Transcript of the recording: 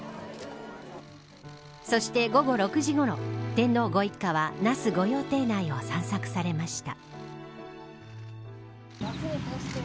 そして午後６時ごろ天皇ご一家は那須御用邸内を散策されました。